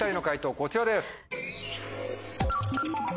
こちらです。